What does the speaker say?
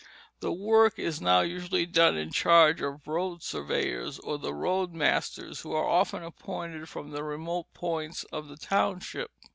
The work is now usually done in charge of road surveyors or the road masters, who are often appointed from the remote points of the township.